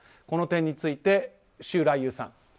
この点について、周来友さん。